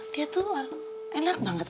dia tuh enak banget